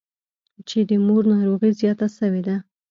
چې د مور ناروغي زياته سوې ده.